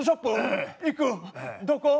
どこ？